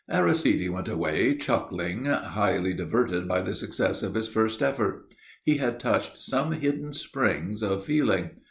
Aristide went away chuckling, highly diverted by the success of his first effort. He had touched some hidden springs of feeling.